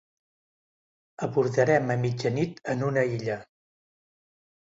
Abordàrem a mitjanit en una illa.